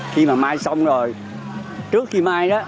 khi mà mai xong rồi trước khi mai đó